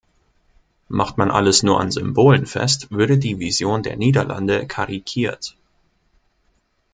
Machte man alles nur an Symbolen fest, würde die Vision der Niederlande karikiert.